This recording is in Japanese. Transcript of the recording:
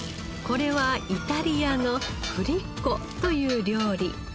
これはイタリアのフリッコという料理。